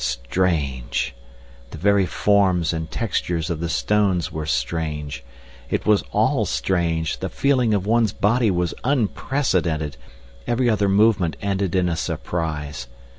Strange! the very forms and texture of the stones were strange. It was all strange, the feeling of one's body was unprecedented, every other movement ended in a surprise.